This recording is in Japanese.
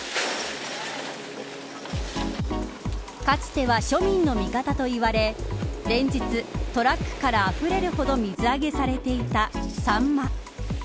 かつては庶民の味方といわれ連日、トラックからあふれるほど水揚げされていたサンマ。